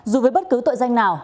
dù với bất cứ tội danh nào